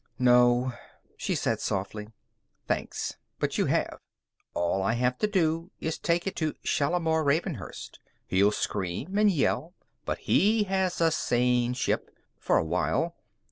"No," she said softly. "Thanks. But you have. All I have to do is take it to Shalimar Ravenhurst. He'll scream and yell, but he has a sane ship for a while.